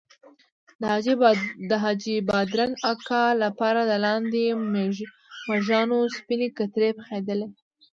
د حاجي بادرنګ اکا لپاره د لاندې مږانو سپینې کترې پخېدلې.